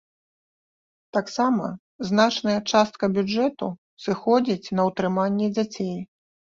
Таксама значная частка бюджэту сыходзіць на ўтрыманне дзяцей.